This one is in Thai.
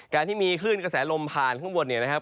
การที่มีคลื่นกระแสลมผ่านข้างบนเนี่ยนะครับ